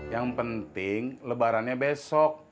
yang penting lebarannya besok